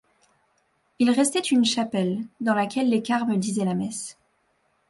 Il y restait une chapelle dans laquelle les Carmes disaient la messe.